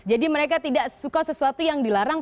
jadi mereka tidak suka sesuatu yang dilarang